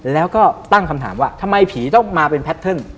แล้วก็ตั้งคำถามว่าทำไมผีต้องมาเป็นแพทเทิร์น